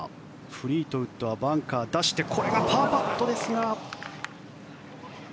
フリートウッドはバンカー出してこれがパーパットですが。